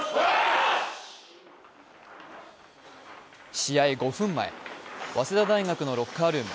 試合５分前、早稲田大学のロッカールーム。